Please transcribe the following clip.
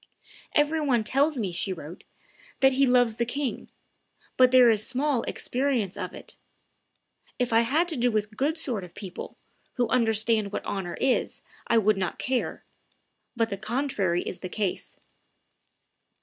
"Every one tells me," she wrote, "that he loves the king; but there is small experience of it. ... If I had to do with good sort of people, who understand what honor is, I would not care; but the contrary is the case."